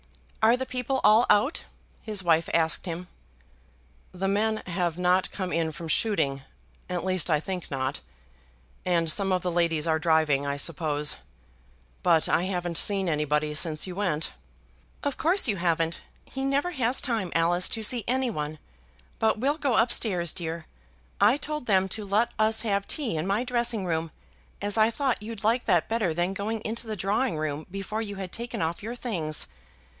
"Are the people all out?" his wife asked him. "The men have not come in from shooting; at least I think not; and some of the ladies are driving, I suppose. But I haven't seen anybody since you went." "Of course you haven't. He never has time, Alice, to see any one. But we'll go up stairs, dear. I told them to let us have tea in my dressing room, as I thought you'd like that better than going into the drawing room before you had taken off your things.